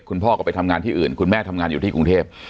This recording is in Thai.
คุณพ่อก็ไปทำงานที่อื่นคุณแม่ทำงานอยู่ที่กรุงเทพ